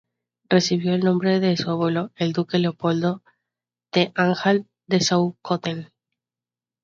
Recibió el nombre de su abuelo, el Duque Leopoldo de Anhalt-Dessau-Köthen.